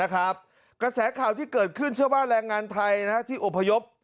กระแสข่าวที่เกิดขึ้นเชื่อว่าแรงงานไทยที่อบพยพ